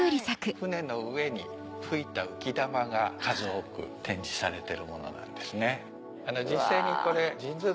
舟の上に吹いた浮き球が数多く展示されてるものですね。